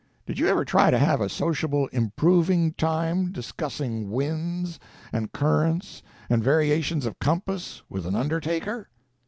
Did you ever try to have a sociable improving time discussing winds, and currents and variations of compass with an undertaker?"